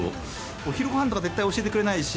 お昼ごはんとか、絶対教えてくれないし。